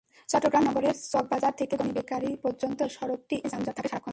চট্টগ্রাম নগরের চকবাজার থেকে গনি বেকারি পর্যন্ত সড়কটি এমনিতেই যানজট থাকে সারাক্ষণ।